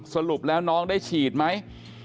สรุปแล้วน้องได้ฉีดไหม